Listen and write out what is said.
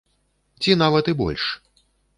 Ці нават і больш!